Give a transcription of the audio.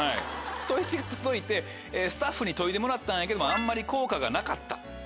砥石が届いてスタッフに研いでもらったんやけどあんまり効果がなかった。